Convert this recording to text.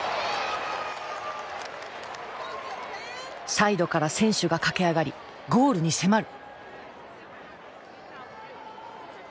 サイドから選手が駆け上がりゴールに迫る！